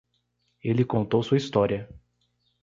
Ele contou sua história.